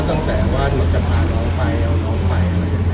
ก็ตั้งแต่ว่าจะพาน้องไป